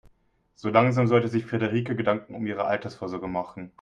So langsam sollte sich Frederike Gedanken um ihre Altersvorsorge machen.